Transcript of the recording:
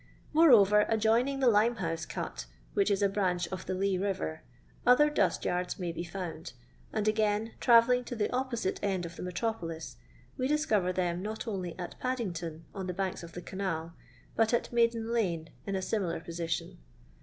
Moreover, adjoining the Lime house cut, which is a branch of the Lea Biver, other dust yards may be finmd; and again travelling to the opposite end of the metropolis, we discover them not only at Paddington on the banks of the canal, but at Maiden lane in a similar position.